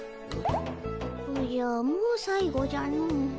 おじゃもう最後じゃの。